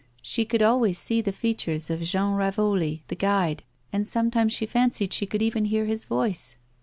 She could always see the features of Jean Ravoli, the guide, and sometimes she fancied she could even hear his voice.